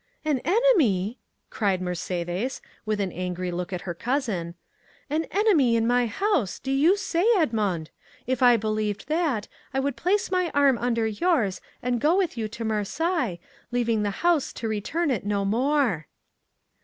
"An enemy!" cried Mercédès, with an angry look at her cousin. "An enemy in my house, do you say, Edmond! If I believed that, I would place my arm under yours and go with you to Marseilles, leaving the house to return to it no more."